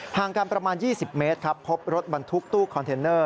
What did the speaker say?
ห่างกันประมาณ๒๐เมตรครับพบรถบรรทุกตู้คอนเทนเนอร์